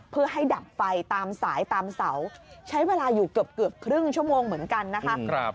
เพื่อให้ดับไฟตามสายตามเสาใช้เวลาอยู่เกือบครึ่งชั่วโมงเหมือนกันนะคะ